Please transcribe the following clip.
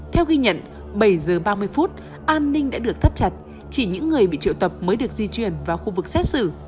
theo ghi nhận bảy giờ ba mươi phút an ninh đã được thắt chặt chỉ những người bị triệu tập mới được di chuyển vào khu vực xét xử